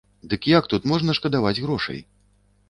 Дык як тут можна шкадаваць грошай?